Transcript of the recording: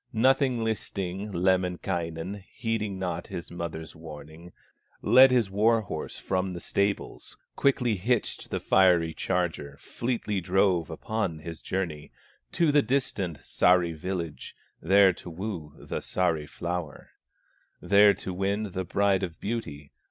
Nothing listing, Lemminkainen, Heeding not his mother's warning, Led his war horse from the stables, Quickly hitched the fiery charger, Fleetly drove upon his journey, To the distant Sahri village, There to woo the Sahri flower, There to win the Bride of Beauty.